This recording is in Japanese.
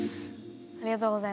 ありがとうございます。